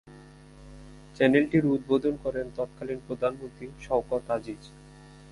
চ্যানেলটির উদ্বোধন করেন তৎকালীন প্রধানমন্ত্রী শওকত আজিজ।